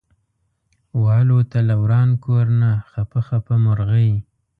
والوته له وران کور نه خپه خپه مرغۍ